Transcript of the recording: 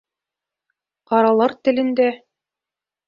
Ҡаралар телендә: